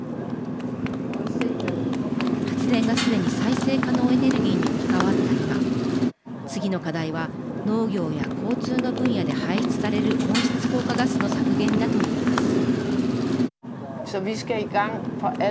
発電がすでに再生可能エネルギーに置き換わった今次の課題は、農業や交通の分野で排出される温室効果ガスの削減だと言います。